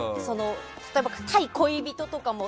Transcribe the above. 例えば、対恋人とかも。